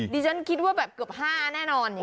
ดิฉันคิดว่าแบบเกือบ๕แน่นอนอย่างเนี้ย